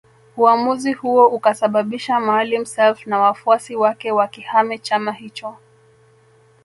Uamuzi huo ukasababisha Maalim Self na wafuasi wake wakihame chama hicho